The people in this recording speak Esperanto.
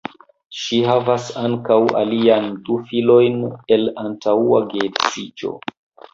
Ŝi havas ankaŭ alian du filojn el antaŭa geedziĝo.